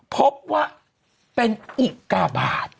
พบว่าเป็นอุกาบาท